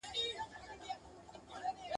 څلور واړه یې یوه یوه ګوله کړه !.